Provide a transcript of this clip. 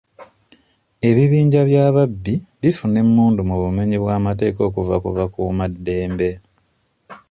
Ebibinja by'ababbi bifuna emmundu mu bumenyi bw'amateeka okuva ku bakuumaddembe.